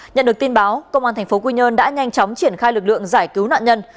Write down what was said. nhận được tin báo cơ quan tp quy nhơn đã nhanh chóng triển khai lực lượng giải cứu nạn nhân